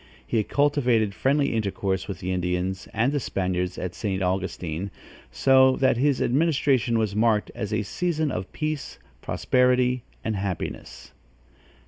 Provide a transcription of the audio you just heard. He cultivated friendly intercourse with the Indians and the Spaniards at St. Augustine, so that his administration was marked as a season of peace, prosperity and happiness.